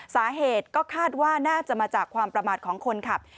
สาเหตุก็คาดว่าน่าจะมาจากความประมาทของคนขับ